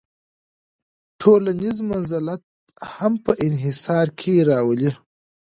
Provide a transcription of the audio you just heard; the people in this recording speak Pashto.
ټولنیز منزلت هم په انحصار کې راولي.